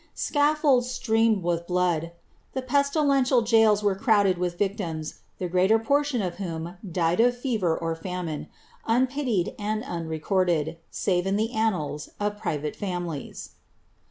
Scaffolds streamed with blood ; the pestileniial gaols were crowded wilfe viciimB, the greater portion of whom died of fever or famine, nnpiliel and unrecorded, save in the annaU of private families.